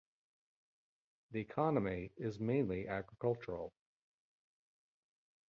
The economy is mainly agricultural.